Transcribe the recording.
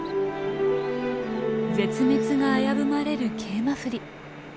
絶滅が危ぶまれるケイマフリ。